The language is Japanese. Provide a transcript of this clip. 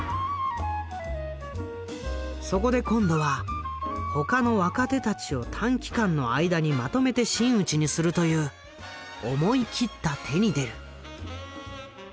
そこで今度は他の若手たちを短期間の間にまとめて真打ちにするという思い切った手に出る。